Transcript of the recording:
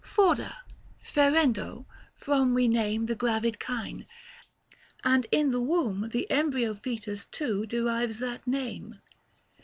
Forda, " ferendo " from We name the gravid kine, and in the womb The embryo foetus too derives that name.